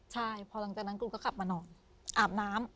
ใช่พอหลังจากนั้นครูก็ขับมานอนอาบน้ำ